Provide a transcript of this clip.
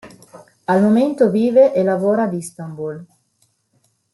Al momento vive e lavora ad Istanbul.